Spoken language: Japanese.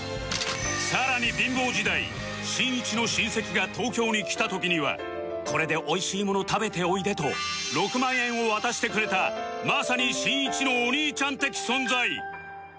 さらに貧乏時代しんいちの親戚が東京に来た時には「これで美味しいもの食べておいで」と６万円を渡してくれたまさにしんいちのお兄ちゃん的存在